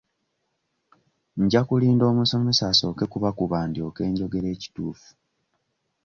Nja kulinda omusomesa asooke kubakuba ndyoke njogere ekituufu.